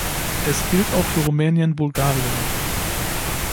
Es gilt auch für Rumänien Bulgarien!